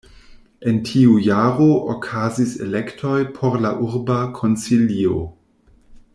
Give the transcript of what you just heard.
En tiu jaro okazis elektoj por la urba konsilio.